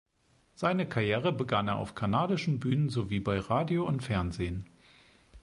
Seine Karriere begann er auf kanadischen Bühnen sowie bei Radio und Fernsehen.